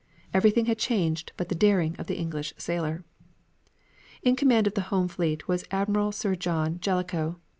Everything had changed but the daring of the English sailor. In command of the Home fleet was Admiral Sir John Jellicoe.